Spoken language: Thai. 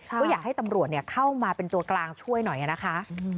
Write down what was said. ก็อยากให้ตำรวจเข้ามาเป็นตัวกลางช่วยหน่อยนะคะ